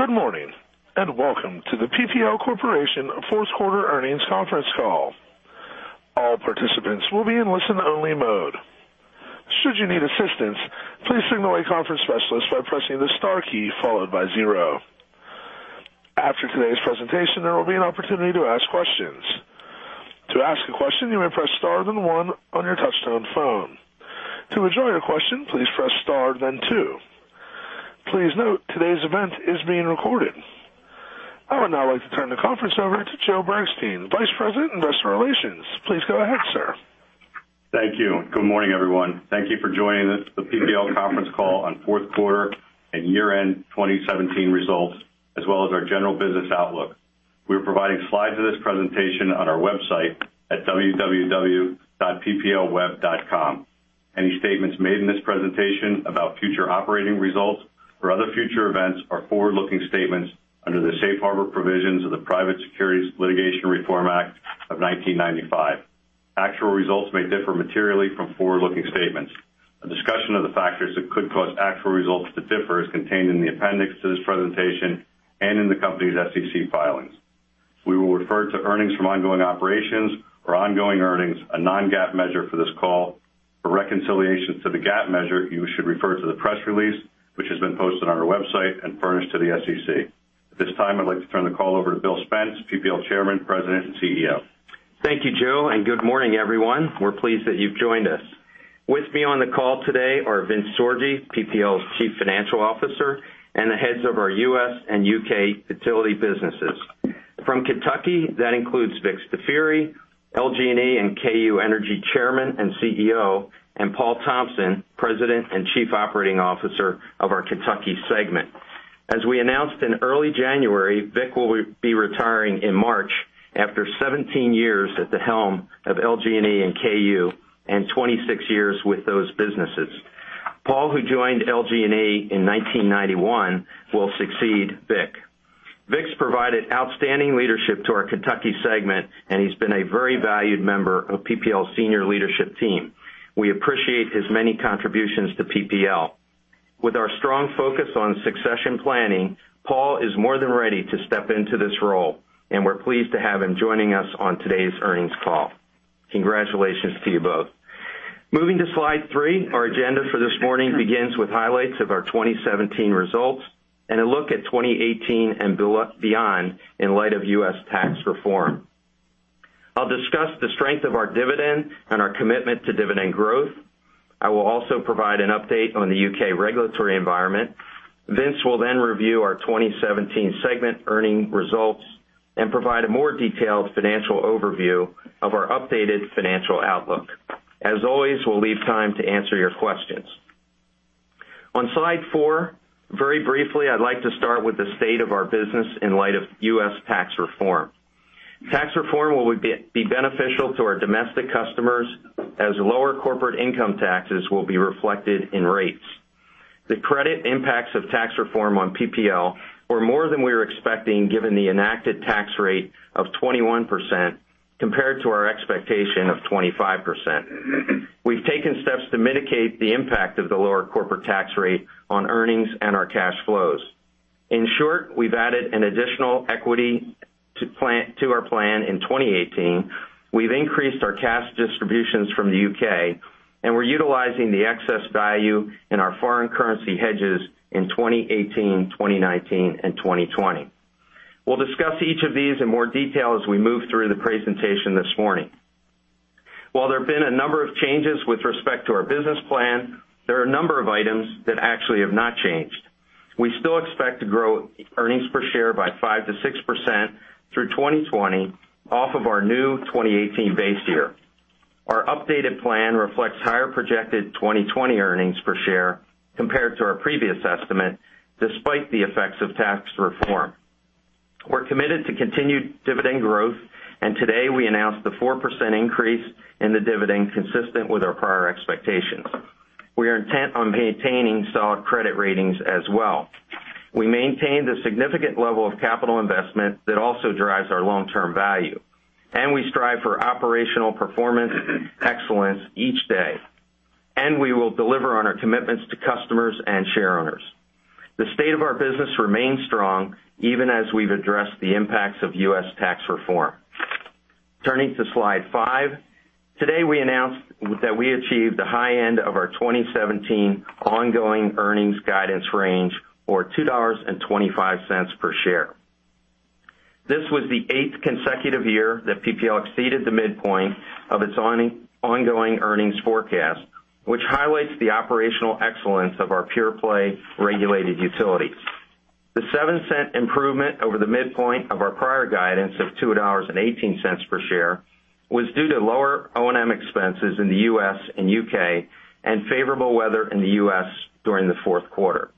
Good morning. Welcome to the PPL Corporation fourth quarter earnings conference call. All participants will be in listen-only mode. Should you need assistance, please signal a conference specialist by pressing the star key followed by zero. After today's presentation, there will be an opportunity to ask questions. To ask a question, you may press star one on your touch-tone phone. To withdraw your question, please press star two. Please note, today's event is being recorded. I would now like to turn the conference over to Joe Bergstein, Vice President, Investor Relations. Please go ahead, sir. Thank you. Good morning, everyone. Thank you for joining us. The PPL conference call on fourth quarter and year-end 2017 results, as well as our general business outlook. We're providing slides of this presentation on our website at www.pplweb.com. Any statements made in this presentation about future operating results or other future events are forward-looking statements under the safe harbor provisions of the Private Securities Litigation Reform Act of 1995. Actual results may differ materially from forward-looking statements. A discussion of the factors that could cause actual results to differ is contained in the appendix to this presentation and in the company's SEC filings. We will refer to earnings from ongoing operations or ongoing earnings, a non-GAAP measure for this call. For reconciliation to the GAAP measure, you should refer to the press release, which has been posted on our website and furnished to the SEC. At this time, I'd like to turn the call over to Bill Spence, PPL Chairman, President and CEO. Thank you, Joe. Good morning, everyone. We're pleased that you've joined us. With me on the call today are Vince Sorgi, PPL's Chief Financial Officer, and the heads of our U.S. and U.K. utility businesses. From Kentucky, that includes Vic Staffieri, LG&E and KU Energy Chairman and CEO, and Paul Thompson, President and Chief Operating Officer of our Kentucky segment. As we announced in early January, Vic will be retiring in March after 17 years at the helm of LG&E and KU and 26 years with those businesses. Paul, who joined LG&E in 1991, will succeed Vic. Vic's provided outstanding leadership to our Kentucky segment, and he's been a very valued member of PPL's senior leadership team. We appreciate his many contributions to PPL. With our strong focus on succession planning, Paul is more than ready to step into this role, and we're pleased to have him joining us on today's earnings call. Congratulations to you both. Moving to slide three. Our agenda for this morning begins with highlights of our 2017 results and a look at 2018 and beyond in light of U.S. tax reform. I'll discuss the strength of our dividend and our commitment to dividend growth. I will also provide an update on the U.K. regulatory environment. Vince will then review our 2017 segment earning results and provide a more detailed financial overview of our updated financial outlook. As always, we'll leave time to answer your questions. On slide four, very briefly, I'd like to start with the state of our business in light of U.S. tax reform. Tax reform will be beneficial to our domestic customers as lower corporate income taxes will be reflected in rates. The credit impacts of tax reform on PPL were more than we were expecting, given the enacted tax rate of 21% compared to our expectation of 25%. We've taken steps to mitigate the impact of the lower corporate tax rate on earnings and our cash flows. In short, we've added an additional equity to our plan in 2018. We've increased our cash distributions from the U.K., and we're utilizing the excess value in our foreign currency hedges in 2018, 2019, and 2020. We'll discuss each of these in more detail as we move through the presentation this morning. While there have been a number of changes with respect to our business plan, there are a number of items that actually have not changed. We still expect to grow earnings per share by 5%-6% through 2020 off of our new 2018 base year. Our updated plan reflects higher projected 2020 earnings per share compared to our previous estimate, despite the effects of tax reform. We're committed to continued dividend growth, and today we announced the 4% increase in the dividend consistent with our prior expectations. We are intent on maintaining solid credit ratings as well. We maintain the significant level of capital investment that also drives our long-term value, and we strive for operational performance excellence each day. We will deliver on our commitments to customers and shareowners. The state of our business remains strong even as we've addressed the impacts of U.S. tax reform. Turning to slide five. Today, we announced that we achieved the high end of our 2017 ongoing earnings guidance range, or $2.25 per share. This was the eighth consecutive year that PPL exceeded the midpoint of its ongoing earnings forecast, which highlights the operational excellence of our pure-play regulated utilities. The $0.07 improvement over the midpoint of our prior guidance of $2.18 per share was due to lower O&M expenses in the U.S. and U.K. and favorable weather in the U.S. during the fourth quarter.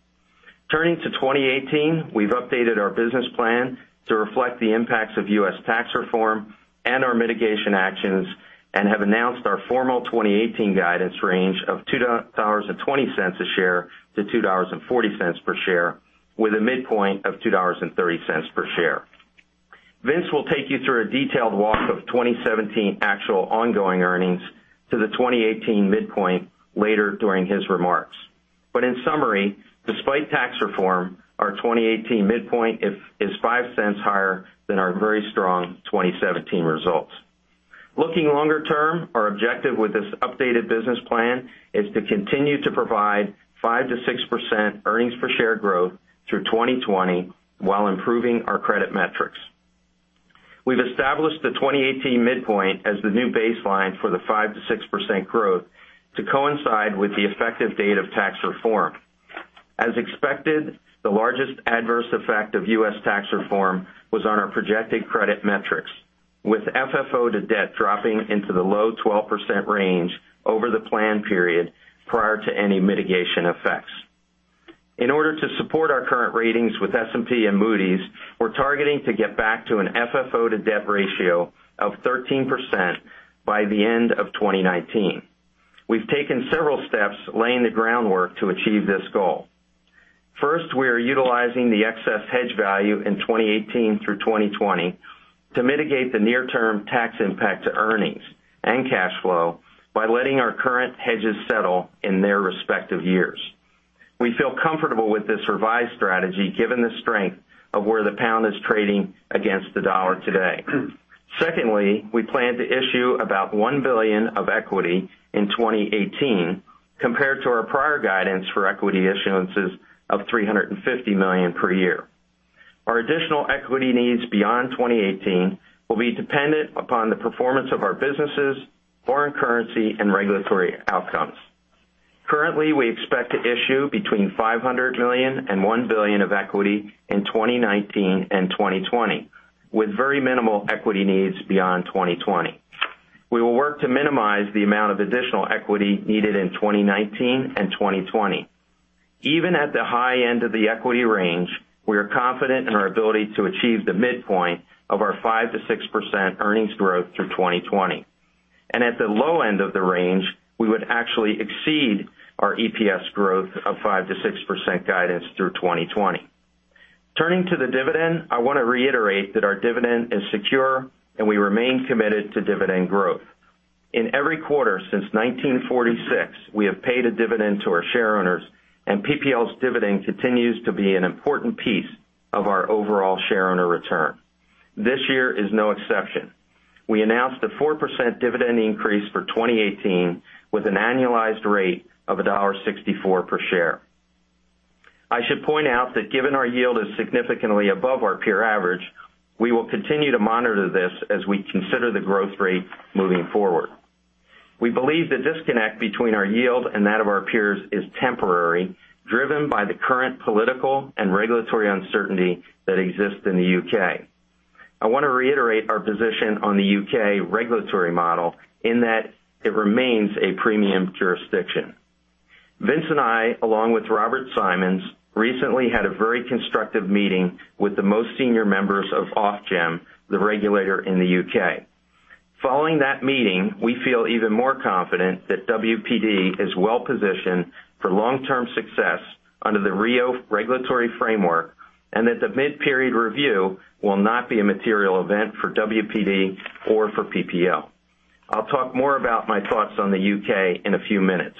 Turning to 2018, we've updated our business plan to reflect the impacts of U.S. tax reform and our mitigation actions and have announced our formal 2018 guidance range of $2.20 per share-$2.40 per share, with a midpoint of $2.30 per share. Vince will take you through a detailed walk of 2017 actual ongoing earnings to the 2018 midpoint later during his remarks. In summary, despite tax reform, our 2018 midpoint is $0.05 higher than our very strong 2017 results. Looking longer term, our objective with this updated business plan is to continue to provide 5% to 6% earnings per share growth through 2020 while improving our credit metrics. We've established the 2018 midpoint as the new baseline for the 5% to 6% growth to coincide with the effective date of U.S. tax reform. As expected, the largest adverse effect of U.S. tax reform was on our projected credit metrics, with FFO to debt dropping into the low 12% range over the plan period prior to any mitigation effects. In order to support our current ratings with S&P and Moody's, we're targeting to get back to an FFO to debt ratio of 13% by the end of 2019. We've taken several steps laying the groundwork to achieve this goal. First, we are utilizing the excess hedge value in 2018 through 2020 to mitigate the near-term tax impact to earnings and cash flow by letting our current hedges settle in their respective years. We feel comfortable with this revised strategy given the strength of where the pound is trading against the dollar today. Secondly, we plan to issue about $1 billion of equity in 2018 compared to our prior guidance for equity issuances of $350 million per year. Our additional equity needs beyond 2018 will be dependent upon the performance of our businesses, foreign currency, and regulatory outcomes. Currently, we expect to issue between $500 million and $1 billion of equity in 2019 and 2020, with very minimal equity needs beyond 2020. We will work to minimize the amount of additional equity needed in 2019 and 2020. Even at the high end of the equity range, we are confident in our ability to achieve the midpoint of our 5% to 6% earnings growth through 2020. At the low end of the range, we would actually exceed our EPS growth of 5% to 6% guidance through 2020. Turning to the dividend, I want to reiterate that our dividend is secure and we remain committed to dividend growth. In every quarter since 1946, we have paid a dividend to our shareowners, and PPL's dividend continues to be an important piece of our overall shareowner return. This year is no exception. We announced a 4% dividend increase for 2018 with an annualized rate of $1.64 per share. I should point out that given our yield is significantly above our peer average, we will continue to monitor this as we consider the growth rate moving forward. We believe the disconnect between our yield and that of our peers is temporary, driven by the current political and regulatory uncertainty that exists in the U.K. I want to reiterate our position on the U.K. regulatory model in that it remains a premium jurisdiction. Vince and I, along with Robert Symons, recently had a very constructive meeting with the most senior members of Ofgem, the regulator in the U.K. Following that meeting, we feel even more confident that WPD is well-positioned for long-term success under the RIIO regulatory framework, and that the mid-period review will not be a material event for WPD or for PPL. I'll talk more about my thoughts on the U.K. in a few minutes.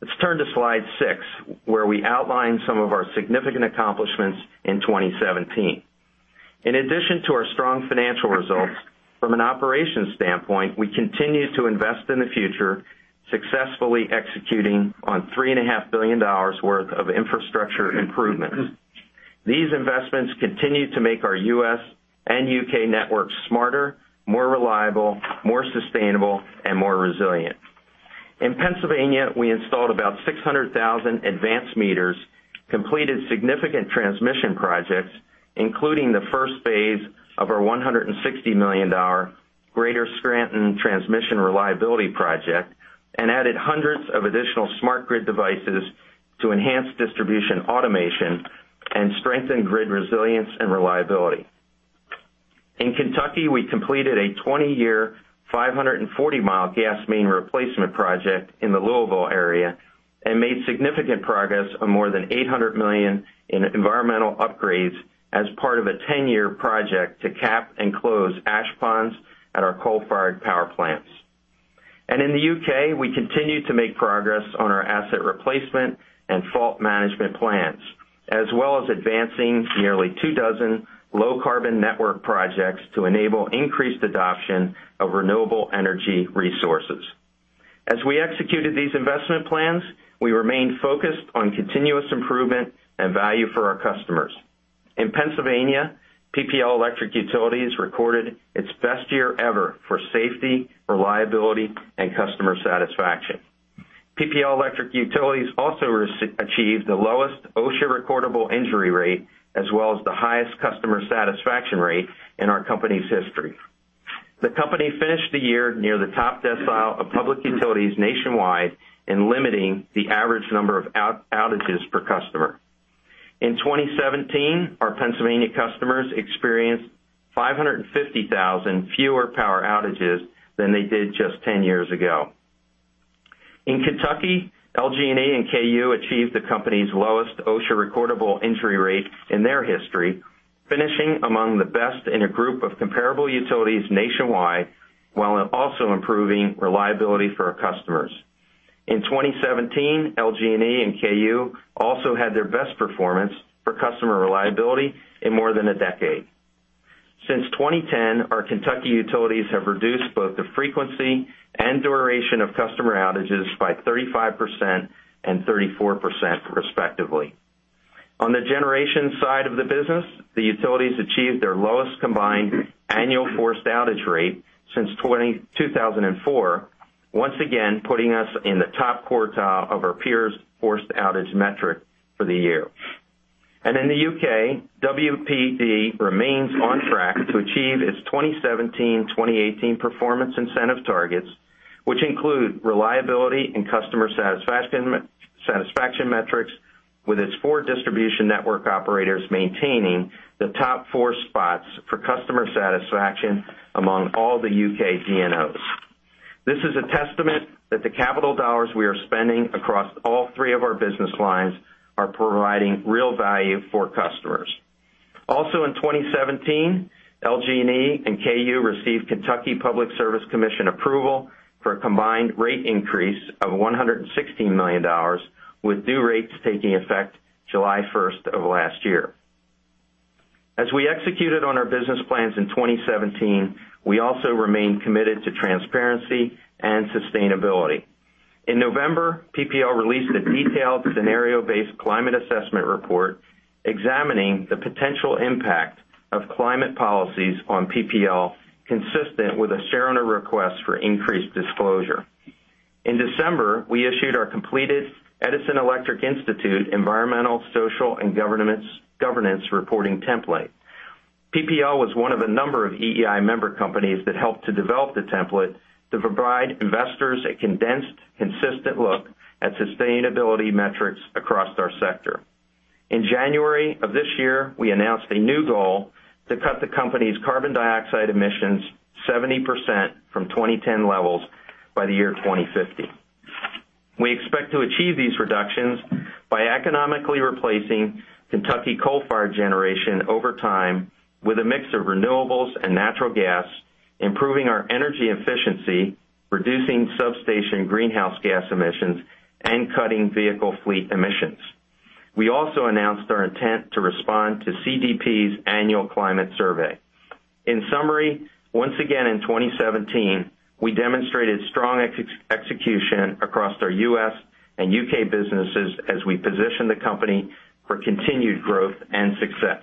Let's turn to slide six, where we outline some of our significant accomplishments in 2017. In addition to our strong financial results, from an operations standpoint, we continue to invest in the future, successfully executing on $3.5 billion worth of infrastructure improvements. These investments continue to make our U.S. and U.K. networks smarter, more reliable, more sustainable, and more resilient. In Pennsylvania, we installed about 600,000 advanced meters, completed significant transmission projects, including the first phase of our $160 million Greater Scranton Transmission Reliability Project, and added hundreds of additional smart grid devices to enhance distribution automation and strengthen grid resilience and reliability. In Kentucky, we completed a 20-year, 540-mile gas main replacement project in the Louisville area and made significant progress on more than $800 million in environmental upgrades as part of a 10-year project to cap and close ash ponds at our coal-fired power plants. In the U.K., we continue to make progress on our asset replacement and fault management plans, as well as advancing nearly two dozen low-carbon network projects to enable increased adoption of renewable energy resources. As we executed these investment plans, we remained focused on continuous improvement and value for our customers. In Pennsylvania, PPL Electric Utilities recorded its best year ever for safety, reliability, and customer satisfaction. PPL Electric Utilities also achieved the lowest OSHA recordable injury rate as well as the highest customer satisfaction rate in our company's history. The company finished the year near the top decile of public utilities nationwide in limiting the average number of outages per customer. In 2017, our Pennsylvania customers experienced 550,000 fewer power outages than they did just 10 years ago. In Kentucky, LG&E and KU achieved the company's lowest OSHA recordable injury rate in their history, finishing among the best in a group of comparable utilities nationwide, while also improving reliability for our customers. In 2017, LG&E and KU also had their best performance for customer reliability in more than a decade. Since 2010, our Kentucky utilities have reduced both the frequency and duration of customer outages by 35% and 34% respectively. On the generation side of the business, the utilities achieved their lowest combined annual forced outage rate since 2004, once again, putting us in the top quartile of our peers' forced outage metric for the year. In the U.K., WPD remains on track to achieve its 2017-2018 performance incentive targets, which include reliability and customer satisfaction metrics with its four distribution network operators maintaining the top four spots for customer satisfaction among all the U.K. DNOs. This is a testament that the capital dollars we are spending across all three of our business lines are providing real value for customers. Also in 2017, LG&E and KU received Kentucky Public Service Commission approval for a combined rate increase of $116 million with new rates taking effect July 1st of last year. As we executed on our business plans in 2017, we also remained committed to transparency and sustainability. In November, PPL released a detailed scenario-based climate assessment report examining the potential impact of climate policies on PPL, consistent with a shareowner request for increased disclosure. In December, we issued our completed Edison Electric Institute environmental, social, and governance reporting template. PPL was one of a number of EEI member companies that helped to develop the template to provide investors a condensed, consistent look at sustainability metrics across our sector. In January of this year, we announced a new goal to cut the company's carbon dioxide emissions 70% from 2010 levels by the year 2050. We expect to achieve these reductions by economically replacing Kentucky coal-fired generation over time with a mix of renewables and natural gas, improving our energy efficiency, reducing substation greenhouse gas emissions, and cutting vehicle fleet emissions. We also announced our intent to respond to CDP's annual climate survey. In summary, once again in 2017, we demonstrated strong execution across our U.S. and U.K. businesses as we position the company for continued growth and success.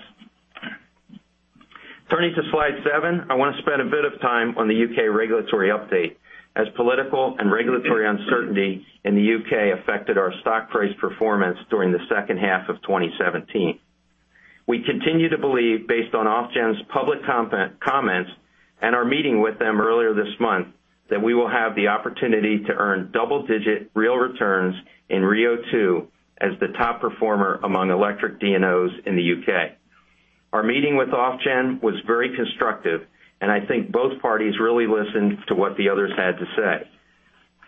Turning to slide seven, I want to spend a bit of time on the U.K. regulatory update as political and regulatory uncertainty in the U.K. affected our stock price performance during the second half of 2017. We continue to believe, based on Ofgem's public comments and our meeting with them earlier this month, that we will have the opportunity to earn double-digit real returns in RIIO-2 as the top performer among electric DNOs in the U.K. Our meeting with Ofgem was very constructive, and I think both parties really listened to what the others had to say.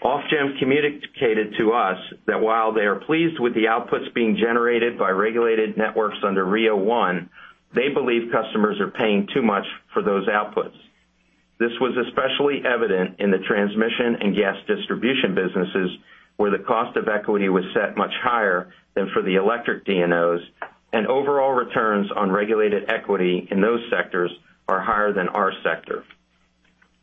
Ofgem communicated to us that while they are pleased with the outputs being generated by regulated networks under RIIO-1, they believe customers are paying too much for those outputs. This was especially evident in the transmission and gas distribution businesses, where the cost of equity was set much higher than for the electric DNOs, and overall returns on regulated equity in those sectors are higher than our sector.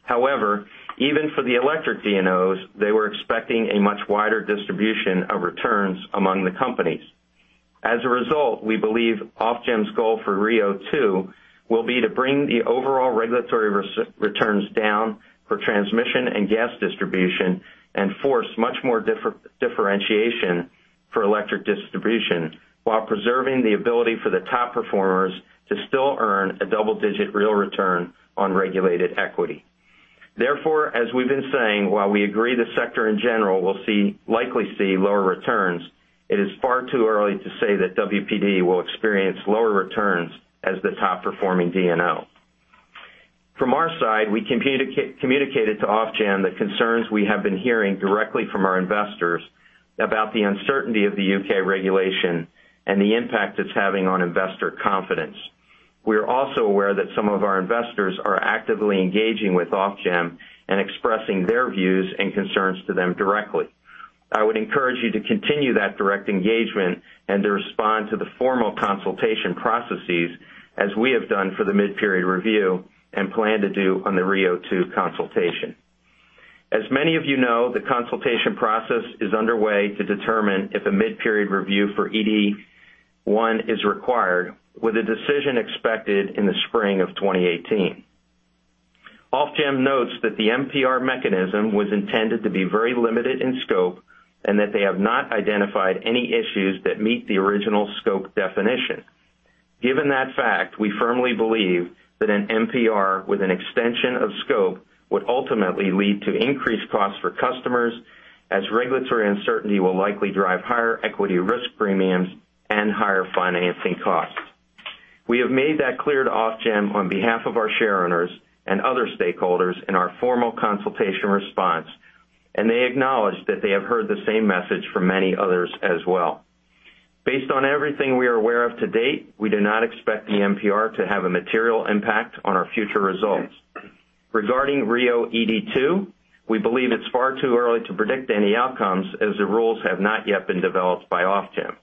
However, even for the electric DNOs, they were expecting a much wider distribution of returns among the companies. As a result, we believe Ofgem's goal for RIIO-2 will be to bring the overall regulatory returns down for transmission and gas distribution and force much more differentiation for electric distribution while preserving the ability for the top performers to still earn a double-digit real return on regulated equity. Therefore, as we've been saying, while we agree the sector in general will likely see lower returns, it is far too early to say that WPD will experience lower returns as the top-performing DNO. From our side, we communicated to Ofgem the concerns we have been hearing directly from our investors about the uncertainty of the U.K. regulation and the impact it's having on investor confidence. We are also aware that some of our investors are actively engaging with Ofgem and expressing their views and concerns to them directly. I would encourage you to continue that direct engagement and to respond to the formal consultation processes as we have done for the mid-period review and plan to do on the RIIO-2 consultation. As many of you know, the consultation process is underway to determine if a mid-period review for ED1 is required, with a decision expected in the spring of 2018. Ofgem notes that the MPR mechanism was intended to be very limited in scope, and that they have not identified any issues that meet the original scope definition. Given that fact, we firmly believe that an MPR with an extension of scope would ultimately lead to increased costs for customers as regulatory uncertainty will likely drive higher equity risk premiums and higher financing costs. We have made that clear to Ofgem on behalf of our share owners and other stakeholders in our formal consultation response, and they acknowledge that they have heard the same message from many others as well. Based on everything we are aware of to date, we do not expect the MPR to have a material impact on our future results. Regarding RIIO-ED2, we believe it is far too early to predict any outcomes as the rules have not yet been developed by Ofgem.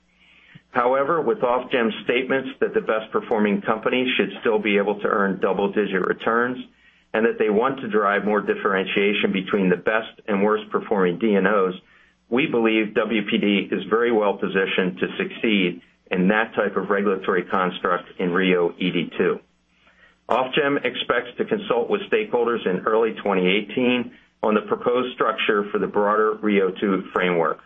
However, with Ofgem's statements that the best-performing companies should still be able to earn double-digit returns and that they want to drive more differentiation between the best and worst-performing DNOs, we believe WPD is very well-positioned to succeed in that type of regulatory construct in RIIO-ED2. Ofgem expects to consult with stakeholders in early 2018 on the proposed structure for the broader RIIO2 framework.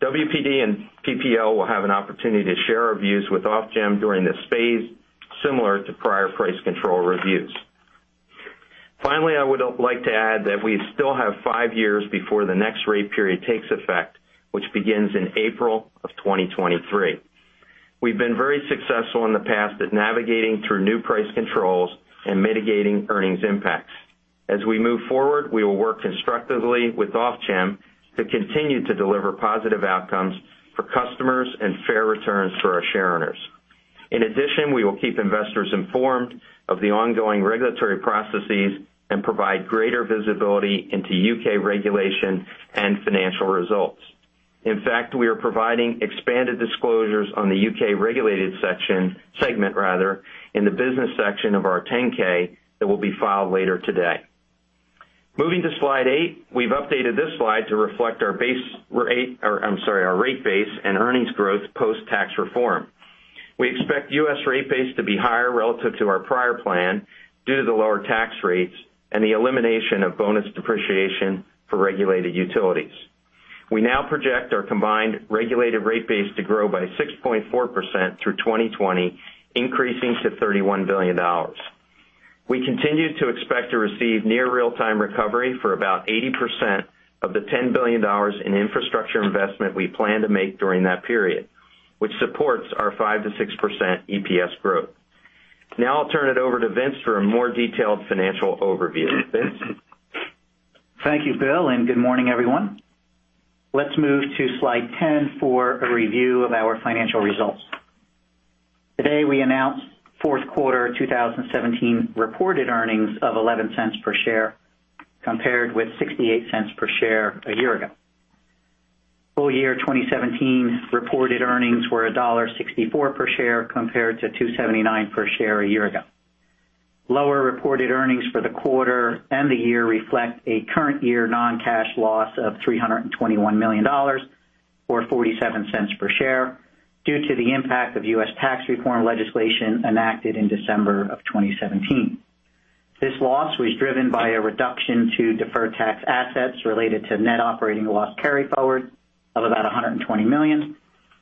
WPD and PPL will have an opportunity to share our views with Ofgem during this phase, similar to prior price control reviews. Finally, I would like to add that we still have five years before the next rate period takes effect, which begins in April of 2023. We have been very successful in the past at navigating through new price controls and mitigating earnings impacts. As we move forward, we will work constructively with Ofgem to continue to deliver positive outcomes for customers and fair returns for our share owners. In addition, we will keep investors informed of the ongoing regulatory processes and provide greater visibility into U.K. regulation and financial results. In fact, we are providing expanded disclosures on the U.K. regulated segment in the business section of our 10-K that will be filed later today. Moving to slide eight. We have updated this slide to reflect our rate base and earnings growth post-tax reform. We expect U.S. rate base to be higher relative to our prior plan due to the lower tax rates and the elimination of bonus depreciation for regulated utilities. We now project our combined regulated rate base to grow by 6.4% through 2020, increasing to $31 billion. We continue to expect to receive near real-time recovery for about 80% of the $10 billion in infrastructure investment we plan to make during that period, which supports our 5%-6% EPS growth. Now I will turn it over to Vince for a more detailed financial overview. Vince? Thank you, Bill, and good morning, everyone. Let's move to slide 10 for a review of our financial results. Today, we announced fourth quarter 2017 reported earnings of $0.11 per share compared with $0.68 per share a year ago. Full year 2017 reported earnings were $1.64 per share compared to $2.79 per share a year ago. Lower reported earnings for the quarter and the year reflect a current year non-cash loss of $321 million, or $0.47 per share, due to the impact of U.S. tax reform legislation enacted in December of 2017. This loss was driven by a reduction to deferred tax assets related to net operating loss carryforward of about $120 million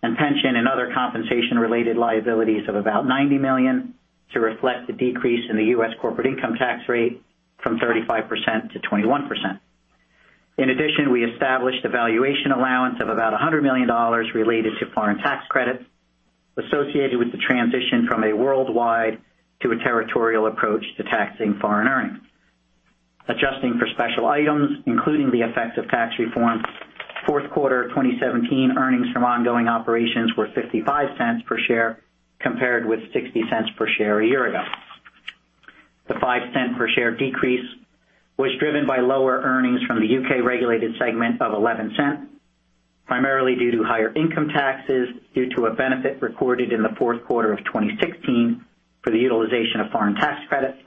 and pension and other compensation-related liabilities of about $90 million to reflect the decrease in the U.S. corporate income tax rate from 35% to 21%. In addition, we established a valuation allowance of about $100 million related to foreign tax credits associated with the transition from a worldwide to a territorial approach to taxing foreign earnings. Adjusting for special items, including the effect of tax reform, fourth quarter 2017 earnings from ongoing operations were $0.55 per share compared with $0.60 per share a year ago. The $0.05 per share decrease was driven by lower earnings from the U.K. regulated segment of $0.11, primarily due to higher income taxes due to a benefit recorded in the fourth quarter of 2016 for the utilization of foreign tax credits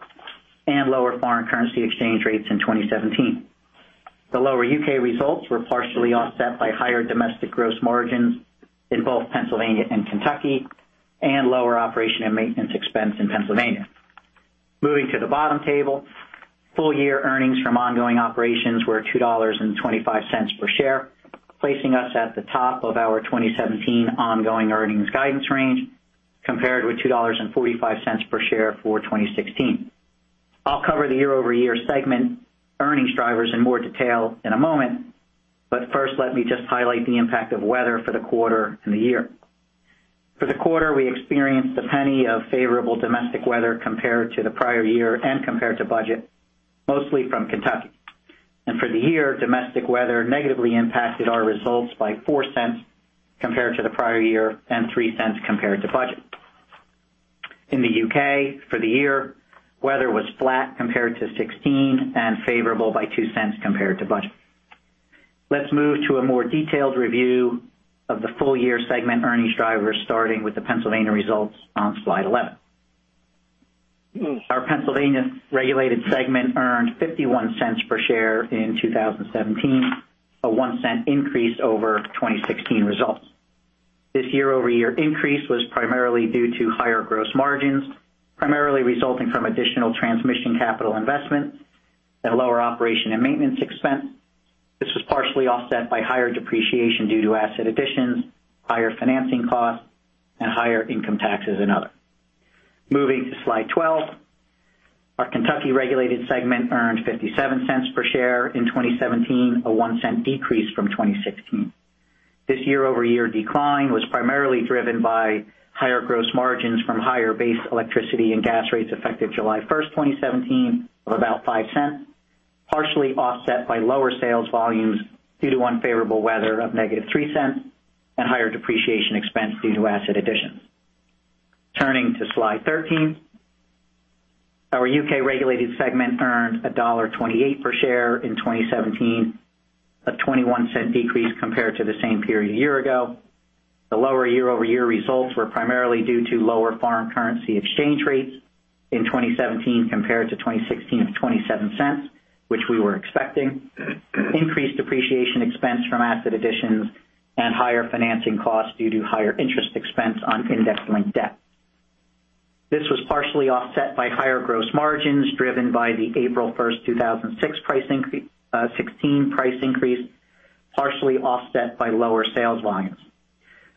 and lower foreign currency exchange rates in 2017. The lower U.K. results were partially offset by higher domestic gross margins in both Pennsylvania and Kentucky and lower operation and maintenance expense in Pennsylvania. Moving to the bottom table. Full-year earnings from ongoing operations were $2.25 per share, placing us at the top of our 2017 ongoing earnings guidance range compared with $2.45 per share for 2016. I'll cover the year-over-year segment earnings drivers in more detail in a moment, first let me just highlight the impact of weather for the quarter and the year. For the quarter, we experienced $0.01 of favorable domestic weather compared to the prior year and compared to budget, mostly from Kentucky. For the year, domestic weather negatively impacted our results by $0.04 compared to the prior year and $0.03 compared to budget. In the U.K. for the year, weather was flat compared to 2016 and favorable by $0.02 compared to budget. Let's move to a more detailed review of the full-year segment earnings drivers, starting with the Pennsylvania results on slide 11. Our Pennsylvania regulated segment earned $0.51 per share in 2017, a $0.01 increase over 2016 results. This year-over-year increase was primarily due to higher gross margins, primarily resulting from additional transmission capital investments and lower operation and maintenance expense. This was partially offset by higher depreciation due to asset additions, higher financing costs, and higher income taxes and other. Moving to slide 12. Our Kentucky regulated segment earned $0.57 per share in 2017, a $0.01 decrease from 2016. This year-over-year decline was primarily driven by higher gross margins from higher base electricity and gas rates effective July 1st, 2017 of about $0.05, partially offset by lower sales volumes due to unfavorable weather of negative $0.03, and higher depreciation expense due to asset additions. Turning to slide 13. Our U.K.-regulated segment earned $1.28 per share in 2017, a $0.21 decrease compared to the same period a year ago. The lower year-over-year results were primarily due to lower foreign currency exchange rates in 2017 compared to 2016 of $0.27, which we were expecting. Increased depreciation expense from asset additions and higher financing costs due to higher interest expense on index-linked debt. This was partially offset by higher gross margins driven by the April 1st, 2016 price increase, partially offset by lower sales volumes.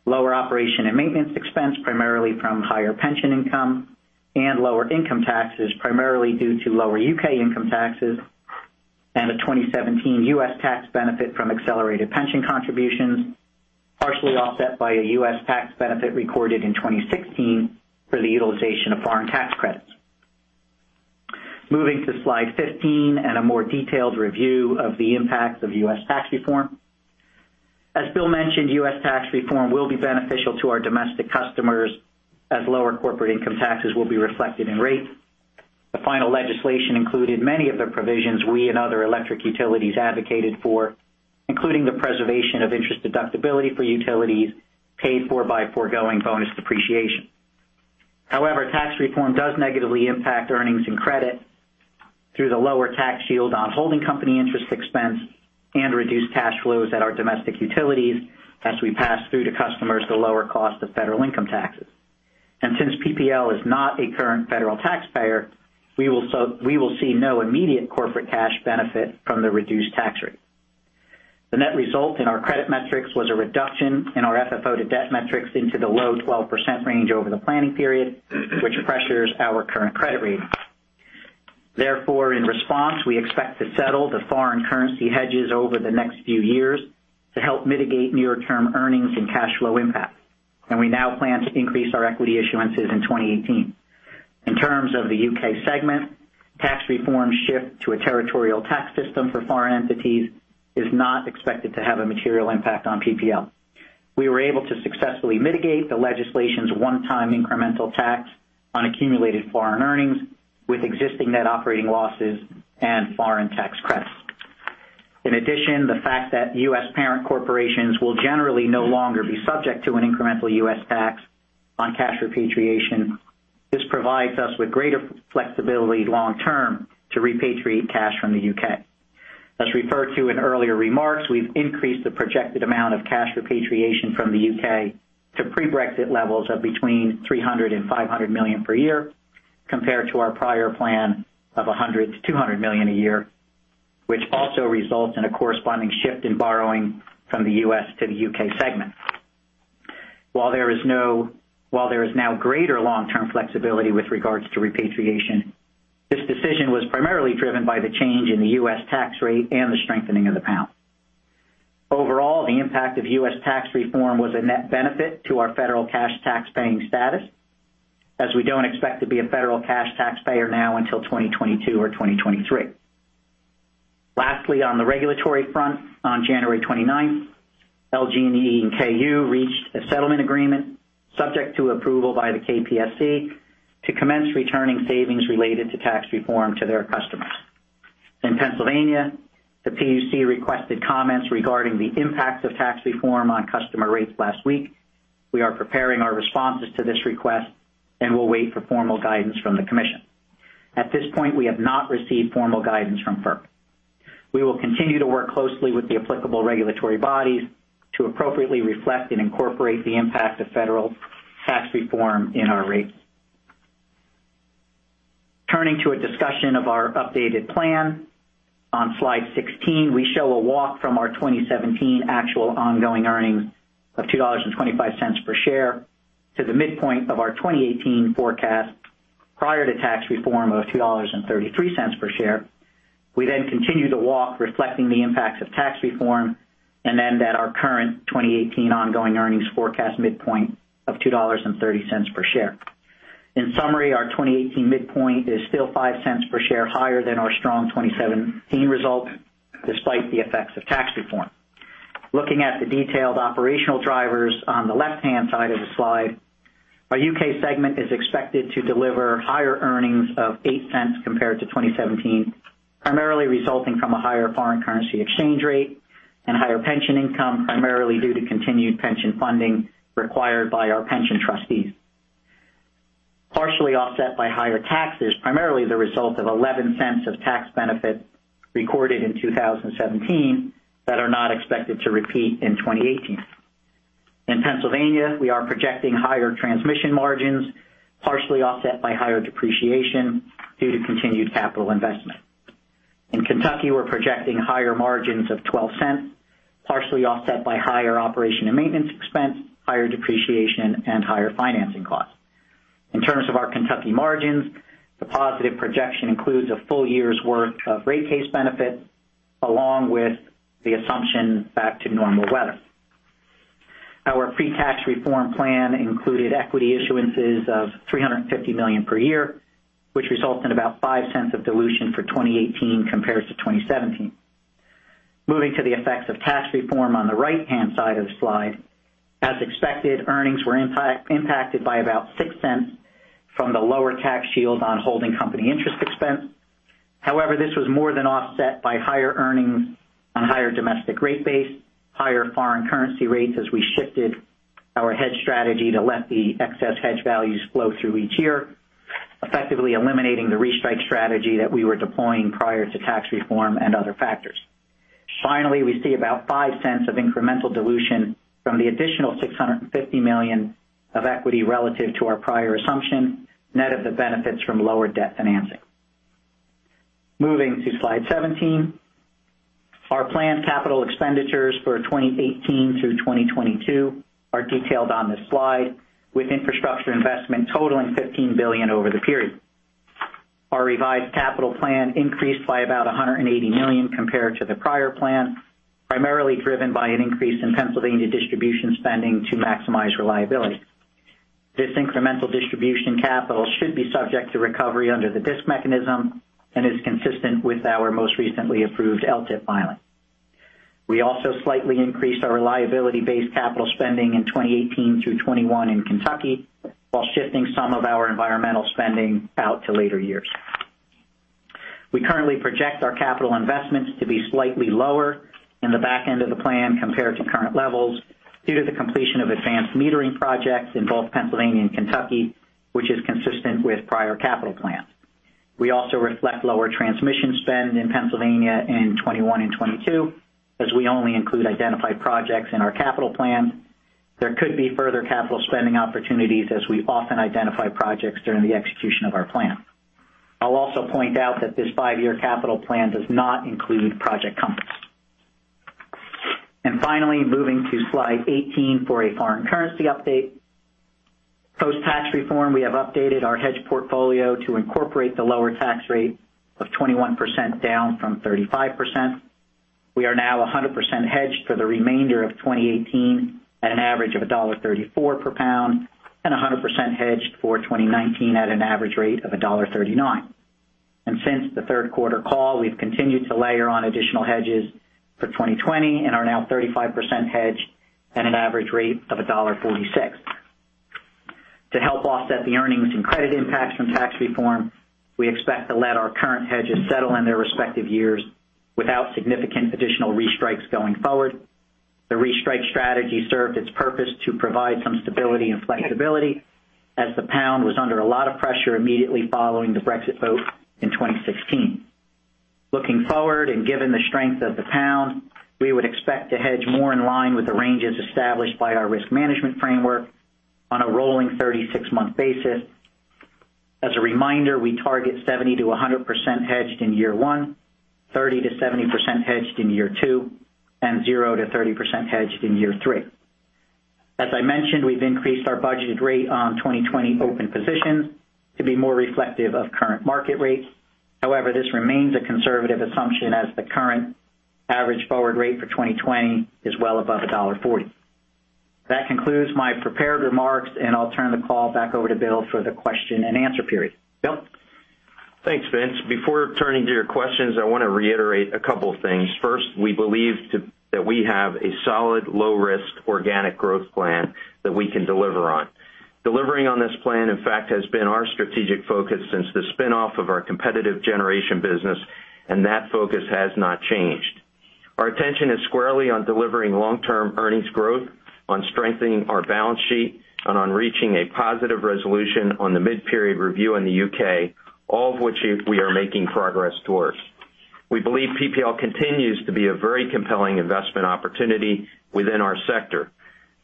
Lower operation and maintenance expense, primarily from higher pension income and lower income taxes, primarily due to lower U.K. income taxes and a 2017 U.S. tax benefit from accelerated pension contributions, partially offset by a U.S. tax benefit recorded in 2016 for the utilization of foreign tax credits. Moving to slide 15 and a more detailed review of the impacts of U.S. tax reform. As Bill mentioned, U.S. tax reform will be beneficial to our domestic customers as lower corporate income taxes will be reflected in rates. The final legislation included many of the provisions we and other electric utilities advocated for, including the preservation of interest deductibility for utilities paid for by foregoing bonus depreciation. However, tax reform does negatively impact earnings and credit through the lower tax shield on holding company interest expense and reduced cash flows at our domestic utilities as we pass through to customers the lower cost of federal income taxes. Since PPL is not a current federal taxpayer, we will see no immediate corporate cash benefit from the reduced tax rate. The net result in our credit metrics was a reduction in our FFO to debt metrics into the low 12% range over the planning period, which pressures our current credit rating. Therefore, in response, we expect to settle the foreign currency hedges over the next few years to help mitigate near-term earnings and cash flow impacts. We now plan to increase our equity issuances in 2018. In terms of the U.K. segment, tax reform shift to a territorial tax system for foreign entities is not expected to have a material impact on PPL. We were able to successfully mitigate the legislation's one-time incremental tax on accumulated foreign earnings with existing net operating losses and foreign tax credits. In addition, the fact that U.S. parent corporations will generally no longer be subject to an incremental U.S. tax on cash repatriation, this provides us with greater flexibility long term to repatriate cash from the U.K. As referred to in earlier remarks, we've increased the projected amount of cash repatriation from the U.K. to pre-Brexit levels of between $300 million and $500 million per year compared to our prior plan of $100 million to $200 million a year, which also results in a corresponding shift in borrowing from the U.S. to the U.K. segment. While there is now greater long-term flexibility with regards to repatriation, this decision was primarily driven by the change in the U.S. tax rate and the strengthening of the pound. Overall, the impact of U.S. tax reform was a net benefit to our federal cash taxpaying status, as we don't expect to be a federal cash taxpayer now until 2022 or 2023. Lastly, on the regulatory front, on January 29th, LG&E and KU reached a settlement agreement, subject to approval by the KPSC, to commence returning savings related to tax reform to their customers. In Pennsylvania, the PUC requested comments regarding the impact of tax reform on customer rates last week. We are preparing our responses to this request and will wait for formal guidance from the commission. At this point, we have not received formal guidance from FERC. We will continue to work closely with the applicable regulatory bodies to appropriately reflect and incorporate the impact of federal tax reform in our rates. Turning to a discussion of our updated plan. On slide 16, we show a walk from our 2017 actual ongoing earnings of $2.25 per share to the midpoint of our 2018 forecast prior to tax reform of $2.33 per share. We then continue the walk reflecting the impacts of tax reform and end at our current 2018 ongoing earnings forecast midpoint of $2.30 per share. In summary, our 2018 midpoint is still $0.05 per share higher than our strong 2017 result, despite the effects of tax reform. Looking at the detailed operational drivers on the left-hand side of the slide, our U.K. segment is expected to deliver higher earnings of $0.08 compared to 2017, primarily resulting from a higher foreign currency exchange rate and higher pension income, primarily due to continued pension funding required by our pension trustees. Partially offset by higher taxes, primarily the result of $0.11 of tax benefit recorded in 2017 that are not expected to repeat in 2018. In Pennsylvania, we are projecting higher transmission margins, partially offset by higher depreciation due to continued capital investment. In Kentucky, we're projecting higher margins of $0.12, partially offset by higher operation and maintenance expense, higher depreciation, and higher financing costs. In terms of our Kentucky margins, the positive projection includes a full year's worth of rate case benefit, along with the assumption back to normal weather. Our pre-tax reform plan included equity issuances of $350 million per year, which results in about $0.05 of dilution for 2018 compared to 2017. Moving to the effects of tax reform on the right-hand side of the slide. As expected, earnings were impacted by about $0.06 from the lower tax shield on holding company interest expense. However, this was more than offset by higher earnings on higher domestic rate base, higher foreign currency rates as we shifted our hedge strategy to let the excess hedge values flow through each year, effectively eliminating the restrike strategy that we were deploying prior to tax reform and other factors. Finally, we see about $0.05 of incremental dilution from the additional $650 million of equity relative to our prior assumption, net of the benefits from lower debt financing. Moving to slide 17. Our planned capital expenditures for 2018 through 2022 are detailed on this slide, with infrastructure investment totaling $15 billion over the period. Our revised capital plan increased by about $180 million compared to the prior plan, primarily driven by an increase in Pennsylvania distribution spending to maximize reliability. This incremental distribution capital should be subject to recovery under the DSIC mechanism and is consistent with our most recently approved LTIP filing. We also slightly increased our reliability-based capital spending in 2018 through 2021 in Kentucky while shifting some of our environmental spending out to later years. We currently project our capital investments to be slightly lower in the back end of the plan compared to current levels due to the completion of advanced metering projects in both Pennsylvania and Kentucky, which is consistent with prior capital plans. We also reflect lower transmission spend in Pennsylvania in 2021 and 2022, as we only include identified projects in our capital plan. There could be further capital spending opportunities as we often identify projects during the execution of our plan. I'll also point out that this five-year capital plan does not include Project Compass. Finally, moving to slide 18 for a foreign currency update. Post-tax reform, we have updated our hedge portfolio to incorporate the lower tax rate of 21% down from 35%. We are now 100% hedged for the remainder of 2018 at an average of $1.34 per pound, 100% hedged for 2019 at an average rate of $1.39. Since the third quarter call, we've continued to layer on additional hedges for 2020 and are now 35% hedged at an average rate of $1.46. To help offset the earnings and credit impacts from tax reform, we expect to let our current hedges settle in their respective years without significant additional restrikes going forward. The restrike strategy served its purpose to provide some stability and flexibility as the pound was under a lot of pressure immediately following the Brexit vote in 2016. Looking forward and given the strength of the pound, we would expect to hedge more in line with the ranges established by our risk management framework on a rolling 36-month basis. As a reminder, we target 70%-100% hedged in year one, 30%-70% hedged in year two, and 0%-30% hedged in year three. As I mentioned, we've increased our budgeted rate on 2020 open positions to be more reflective of current market rates. However, this remains a conservative assumption as the current average forward rate for 2020 is well above $1.40. That concludes my prepared remarks. I'll turn the call back over to Bill for the question and answer period. Bill? Thanks, Vince. Before turning to your questions, I want to reiterate a couple of things. First, we believe that we have a solid, low-risk organic growth plan that we can deliver on. Delivering on this plan, in fact, has been our strategic focus since the spin-off of our competitive generation business, that focus has not changed. Our attention is squarely on delivering long-term earnings growth, on strengthening our balance sheet, on reaching a positive resolution on the mid-period review in the U.K., all of which we are making progress towards. We believe PPL continues to be a very compelling investment opportunity within our sector.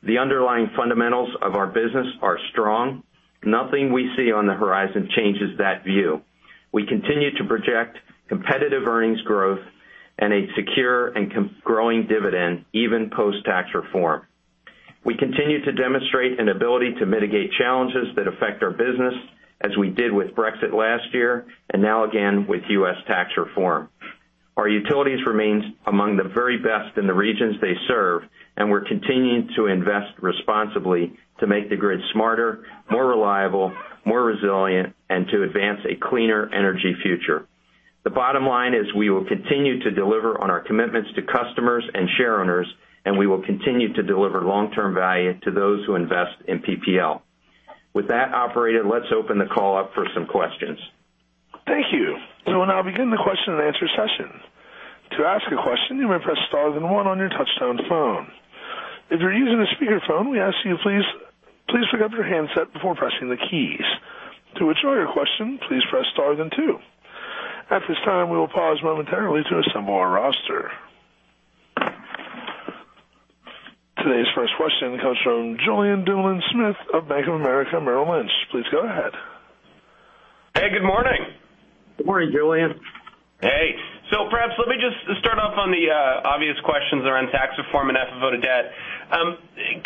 The underlying fundamentals of our business are strong. Nothing we see on the horizon changes that view. We continue to project competitive earnings growth and a secure and growing dividend even post-tax reform. We continue to demonstrate an ability to mitigate challenges that affect our business as we did with Brexit last year and now again with U.S. tax reform. Our utilities remains among the very best in the regions they serve, we're continuing to invest responsibly to make the grid smarter, more reliable, more resilient, and to advance a cleaner energy future. The bottom line is we will continue to deliver on our commitments to customers and shareowners, we will continue to deliver long-term value to those who invest in PPL. With that, operator, let's open the call up for some questions. Thank you. We'll now begin the question and answer session. To ask a question, you may press star then one on your touchtone phone. If you're using a speakerphone, we ask you please pick up your handset before pressing the keys. To withdraw your question, please press star then two. At this time, we will pause momentarily to assemble our roster From Julien Dumoulin-Smith of Bank of America Merrill Lynch. Please go ahead. Hey, good morning. Good morning, Julien. Hey. Perhaps let me just start off on the obvious questions around tax reform and FFO to debt.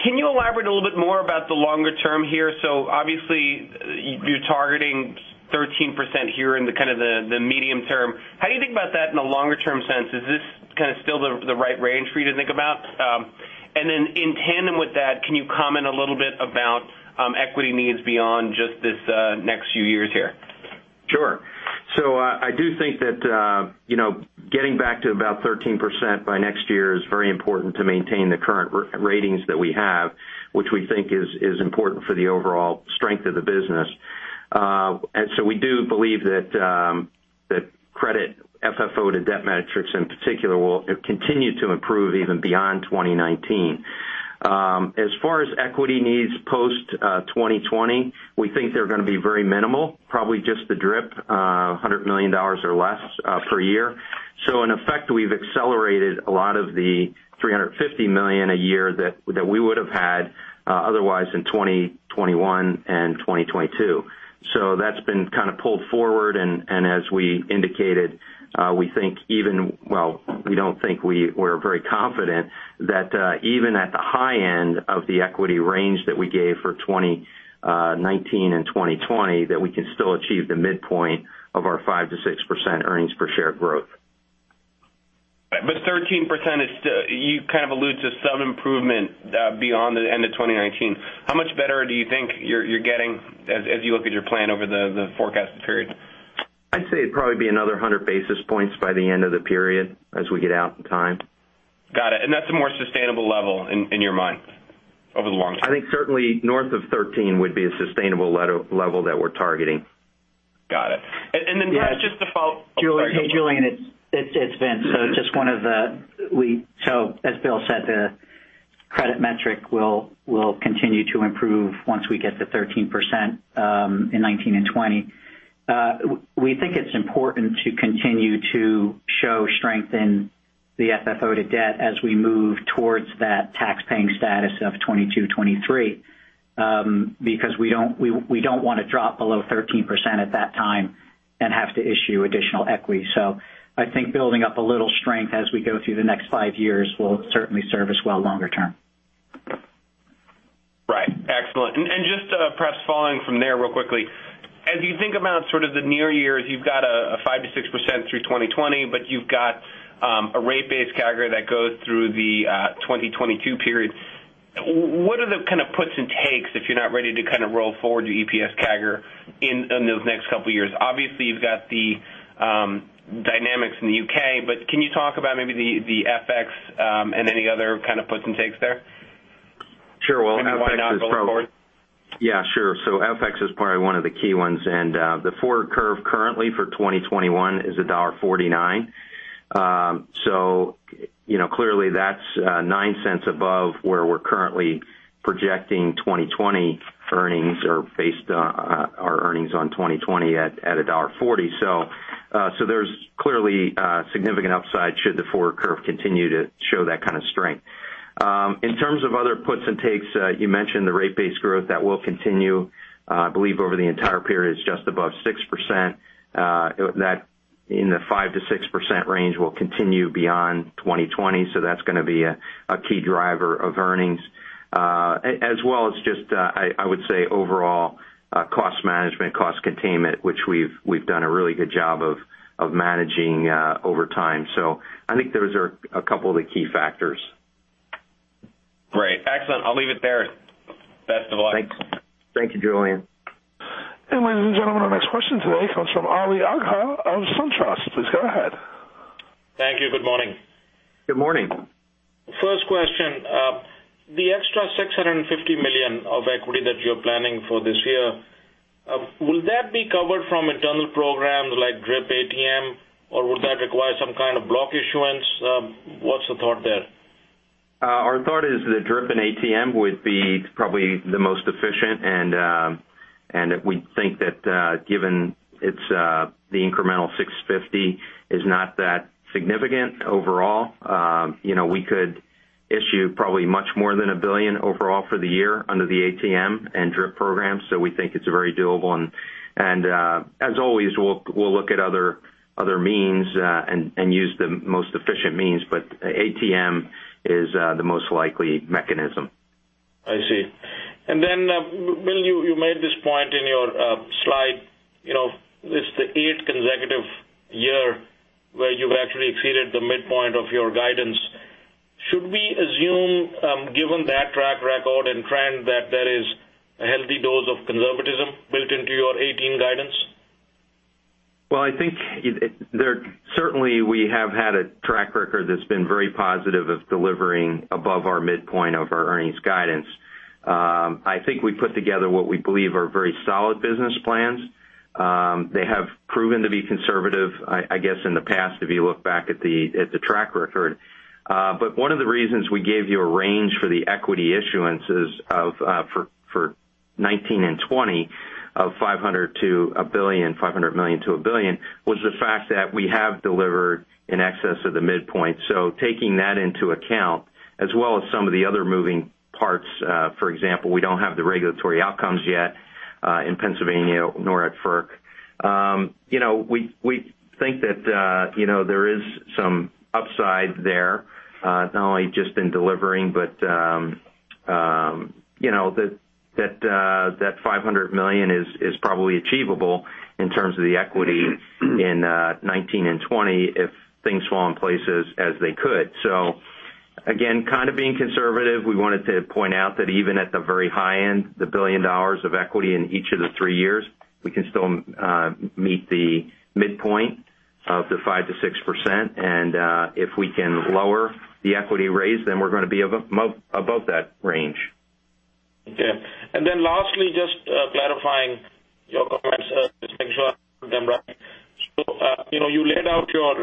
Can you elaborate a little bit more about the longer term here? Obviously you're targeting 13% here in the kind of the medium term. How do you think about that in a longer term sense? Is this kind of still the right range for you to think about? And then in tandem with that, can you comment a little bit about equity needs beyond just this next few years here? Sure. I do think that getting back to about 13% by next year is very important to maintain the current ratings that we have, which we think is important for the overall strength of the business. We do believe that credit FFO to debt metrics in particular will continue to improve even beyond 2019. As far as equity needs post 2020, we think they're going to be very minimal, probably just the DRIP, $100 million or less per year. In effect, we've accelerated a lot of the $350 million a year that we would have had otherwise in 2021 and 2022. That's been kind of pulled forward and as we indicated, we think, well, we don't think, we're very confident that even at the high end of the equity range that we gave for 2019 and 2020, that we can still achieve the midpoint of our 5%-6% earnings per share growth. 13% is still, you kind of allude to some improvement beyond the end of 2019. How much better do you think you're getting as you look at your plan over the forecasted period? I'd say it'd probably be another 100 basis points by the end of the period as we get out in time. Got it. That's a more sustainable level in your mind over the long term? I think certainly north of 13 would be a sustainable level that we're targeting. Got it. Then just to follow up. Julien, it's Vince. Just as Bill said, the credit metric will continue to improve once we get to 13% in 2019 and 2020. We think it's important to continue to show strength in the FFO to debt as we move towards that taxpaying status of 2022, 2023. We don't want to drop below 13% at that time and have to issue additional equity. I think building up a little strength as we go through the next five years will certainly serve us well longer term. Right. Excellent. Just perhaps following from there real quickly, as you think about sort of the near years, you've got a 5%-6% through 2020, but you've got a rate base CAGR that goes through the 2022 period. What are the kind of puts and takes if you're not ready to kind of roll forward your EPS CAGR in those next couple of years? Obviously, you've got the dynamics in the U.K., but can you talk about maybe the FX and any other kind of puts and takes there? Sure. FX is probably Why not go forward? Sure. FX is probably one of the key ones, and the forward curve currently for 2021 is $1.49. Clearly that's $0.09 above where we're currently projecting 2020 earnings or based our earnings on 2020 at $1.40. There's clearly a significant upside should the forward curve continue to show that kind of strength. In terms of other puts and takes, you mentioned the rate-based growth that will continue. I believe over the entire period it's just above 6%. That in the 5%-6% range will continue beyond 2020. That's going to be a key driver of earnings. As well as just overall cost management, cost containment, which we've done a really good job of managing over time. I think those are a couple of the key factors. Great. Excellent. I'll leave it there. Best of luck. Thanks. Thank you, Julien. Ladies and gentlemen, our next question today comes from Ali Agha of SunTrust. Please go ahead. Thank you. Good morning. Good morning. First question. The extra $650 million of equity that you're planning for this year, will that be covered from internal programs like DRIP, ATM, or would that require some kind of block issuance? What's the thought there? Our thought is that DRIP and ATM would be probably the most efficient and we think that given it's the incremental $650 is not that significant overall. We could issue probably much more than $1 billion overall for the year under the ATM and DRIP program. We think it's very doable, and as always, we'll look at other means and use the most efficient means, but ATM is the most likely mechanism. I see. Bill, you made this point in your slide. This is the eighth consecutive year where you've actually exceeded the midpoint of your guidance. Should we assume, given that track record and trend, that there is a healthy dose of conservatism built into your 2018 guidance? I think certainly we have had a track record that's been very positive of delivering above our midpoint of our earnings guidance. We put together what we believe are very solid business plans. They have proven to be conservative, I guess, in the past, if you look back at the track record. One of the reasons we gave you a range for the equity issuance is for 2019 and 2020. $500 million to $1 billion was the fact that we have delivered in excess of the midpoint. Taking that into account, as well as some of the other moving parts, for example, we don't have the regulatory outcomes yet in Pennsylvania nor at FERC. We think that there is some upside there, not only just in delivering but that $500 million is probably achievable in terms of the equity in 2019 and 2020 if things fall in places as they could. Again, kind of being conservative, we wanted to point out that even at the very high end, the $1 billion of equity in each of the three years, we can still meet the midpoint of the 5%-6%. If we can lower the equity raise, we're going to be above that range. Okay. Lastly, just clarifying your comments, just making sure I got them right. You laid out your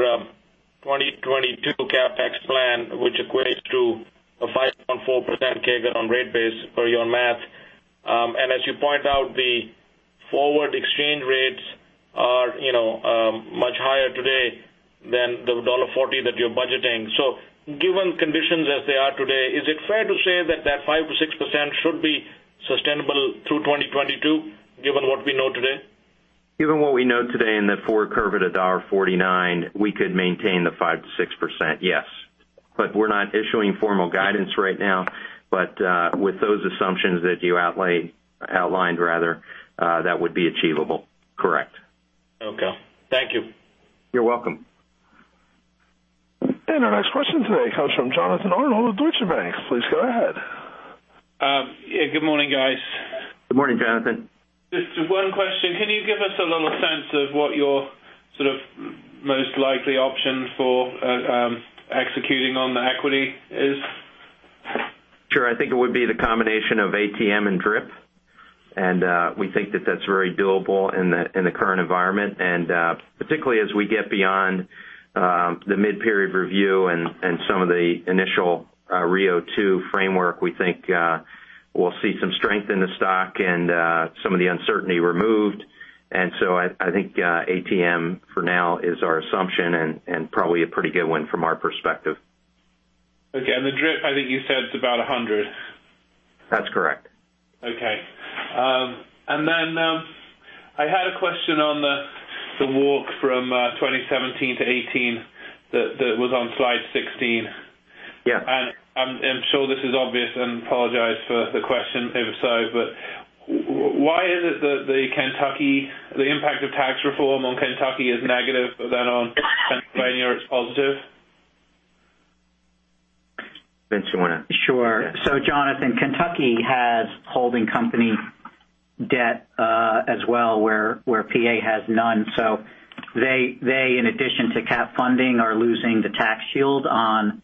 2022 CapEx plan, which equates to a 5.4% CAGR on rate base per your math. As you point out, the forward exchange rates are much higher today than the $1.40 that you're budgeting. Given conditions as they are today, is it fair to say that that 5%-6% should be sustainable through 2022, given what we know today? Given what we know today and the forward curve at $1.49, we could maintain the 5%-6%, yes. We're not issuing formal guidance right now. With those assumptions that you outlined rather, that would be achievable, correct. Okay. Thank you. You're welcome. Our next question today comes from Jonathan Arnold of Deutsche Bank. Please go ahead. Good morning, guys. Good morning, Jonathan. Just one question. Can you give us a little sense of what your sort of most likely option for executing on the equity is? Sure. I think it would be the combination of ATM and DRIP. We think that that's very doable in the current environment. Particularly as we get beyond the mid-period review and some of the initial RIIO-2 framework, we think we'll see some strength in the stock and some of the uncertainty removed. I think ATM for now is our assumption and probably a pretty good one from our perspective. Okay. The DRIP, I think you said it's about $100. That's correct. Okay. I had a question on the walk from 2017 to 2018 that was on slide 16. Yeah. I'm sure this is obvious, apologize for the question if so, why is it that the impact of tax reform on Kentucky is negative, on Pennsylvania it's positive? Vince, you want to Sure. Yeah. Jonathan, Kentucky has holding company debt as well, where PA has none. They, in addition to Cap Funding, are losing the tax shield on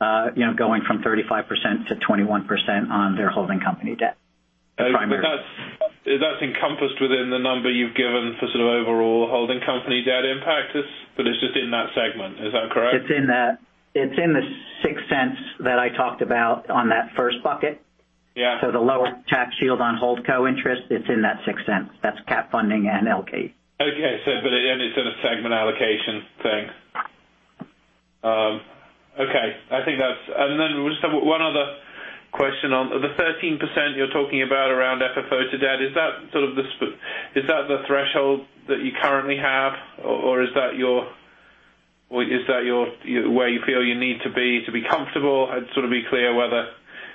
going from 35% to 21% on their holding company debt primarily. That's encompassed within the number you've given for sort of overall holding company debt impact, but it's just in that segment. Is that correct? It's in the $0.06 that I talked about on that first bucket. Yeah. The lower tax shield on holdco-interest, it's in that $0.06. That's Cap Funding and LK. Okay. It's in a segment allocation thing. Okay. We just have one other question on the 13% you're talking about around FFO to debt. Is that the threshold that you currently have, or is that where you feel you need to be to be comfortable? I'd sort of be clear whether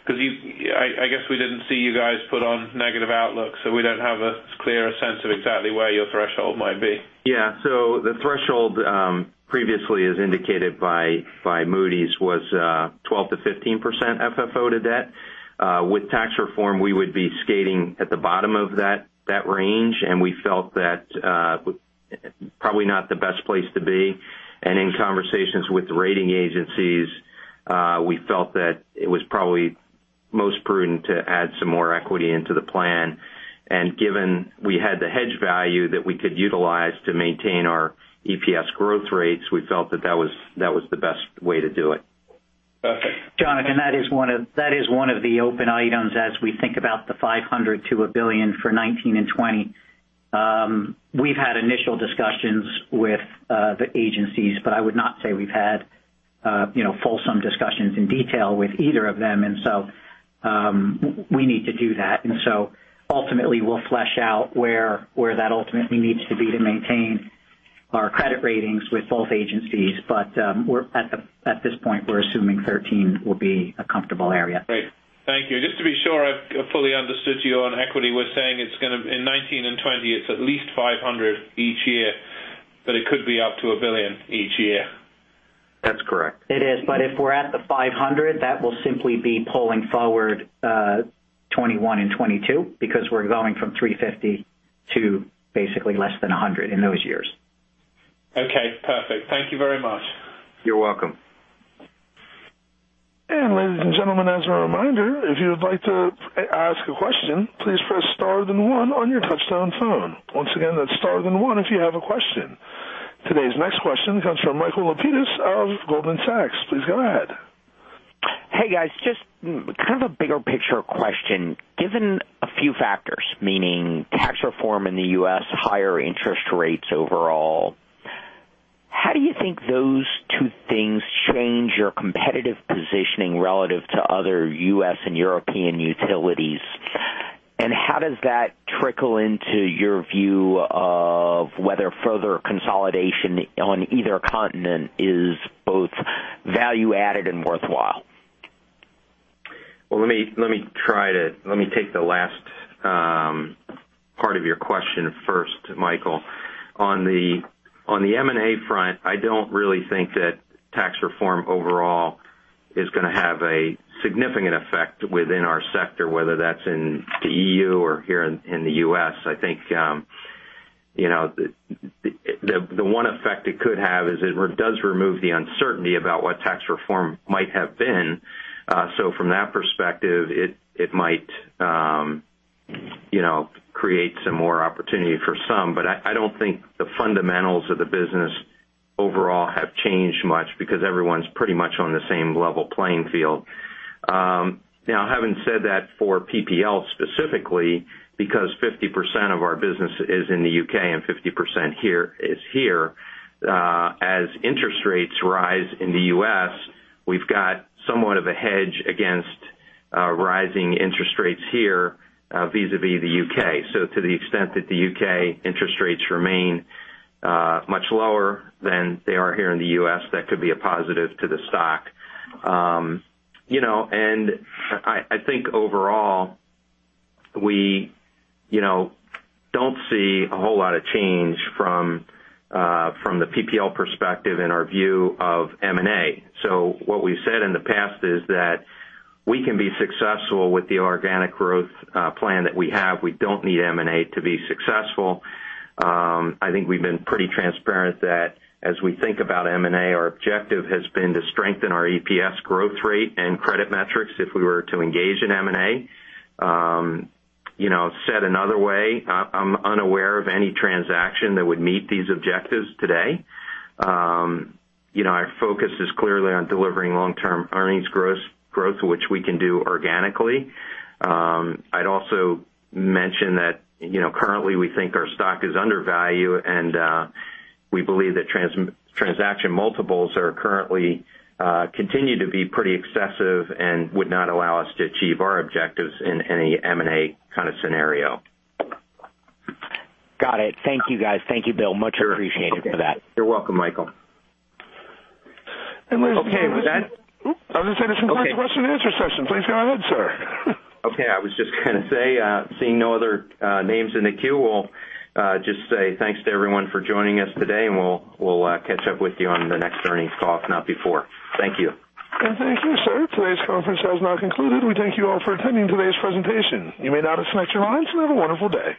because I guess we didn't see you guys put on negative outlook, so we don't have as clear a sense of exactly where your threshold might be. Yeah. The threshold, previously as indicated by Moody's, was 12%-15% FFO to debt. With tax reform, we would be skating at the bottom of that range, and we felt that probably not the best place to be. In conversations with the rating agencies, we felt that it was probably most prudent to add some more equity into the plan. Given we had the hedge value that we could utilize to maintain our EPS growth rates, we felt that that was the best way to do it. Perfect. Jonathan, that is one of the open items as we think about the $500 million to $1 billion for 2019 and 2020. We've had initial discussions with the agencies, but I would not say we've had fulsome discussions in detail with either of them. We need to do that. Ultimately, we'll flesh out where that ultimately needs to be to maintain our credit ratings with both agencies. At this point, we're assuming 13% will be a comfortable area. Great. Thank you. Just to be sure I've fully understood you on equity, we're saying in 2019 and 2020, it's at least $500 million each year, but it could be up to $1 billion each year. That's correct. It is. If we're at the 500, that will simply be pulling forward 2021 and 2022 because we're going from 350 to basically less than 100 in those years. Okay, perfect. Thank you very much. You're welcome. ladies and gentlemen, as a reminder, if you would like to ask a question, please press star then one on your touch-tone phone. Once again, that's star then one if you have a question. Today's next question comes from Michael Lapides of Goldman Sachs. Please go ahead. Hey guys, just kind of a bigger picture question. Given a few factors, meaning tax reform in the U.S., higher interest rates overall, how do you think those two things change your competitive positioning relative to other U.S. and European utilities? How does that trickle into your view of whether further consolidation on either continent is both value added and worthwhile? Well, let me take the last part of your question first, Michael. On the M&A front, I don't really think that tax reform overall is going to have a significant effect within our sector, whether that's in the EU or here in the U.S. I think the one effect it could have is it does remove the uncertainty about what tax reform might have been. From that perspective, it might create some more opportunity for some. I don't think the fundamentals of the business overall have changed much because everyone's pretty much on the same level playing field. Now, having said that for PPL specifically, because 50% of our business is in the U.K. and 50% is here, as interest rates rise in the U.S., we've got somewhat of a hedge against rising interest rates here vis-a-vis the U.K. To the extent that the U.K. interest rates remain much lower than they are here in the U.S., that could be a positive to the stock. I think overall, we don't see a whole lot of change from the PPL perspective in our view of M&A. What we've said in the past is that we can be successful with the organic growth plan that we have. We don't need M&A to be successful. I think we've been pretty transparent that as we think about M&A, our objective has been to strengthen our EPS growth rate and credit metrics if we were to engage in M&A. Said another way, I'm unaware of any transaction that would meet these objectives today. Our focus is clearly on delivering long-term earnings growth, which we can do organically. I'd also mention that currently we think our stock is undervalued, and we believe that transaction multiples currently continue to be pretty excessive and would not allow us to achieve our objectives in any M&A kind of scenario. Got it. Thank you, guys. Thank you, Bill. Much appreciated for that. You're welcome, Michael. Okay. I was going to say this concludes the question and answer session. Please go ahead, sir. Okay. I was just going to say, seeing no other names in the queue, we'll just say thanks to everyone for joining us today. We'll catch up with you on the next earnings call, if not before. Thank you. Thank you, sir. Today's conference has now concluded. We thank you all for attending today's presentation. You may now disconnect your lines. Have a wonderful day.